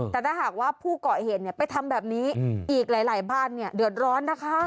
แต่ถ้าหากว่าผู้เกาะเหตุไปทำแบบนี้อีกหลายบ้านเนี่ยเดือดร้อนนะคะ